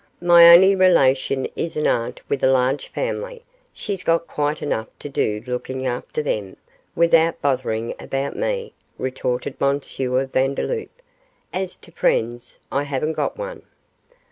'My only relation is an aunt with a large family; she's got quite enough to do looking after them, without bothering about me,' retorted M. Vandeloup; 'as to friends I haven't got one.